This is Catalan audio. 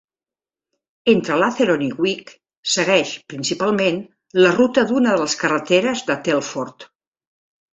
Entre Latheron i Wick segueix, principalment, la ruta d'una de les carreteres de Telford.